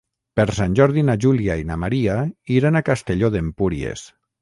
Per Sant Jordi na Júlia i na Maria iran a Castelló d'Empúries.